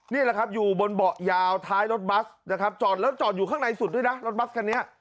นี่แหละครับอยู่บนเบาะยาวท้ายรถบัสนะครับจอดแล้วจอดอยู่ข้างในสุดด้วยนะรถบัสคันนี้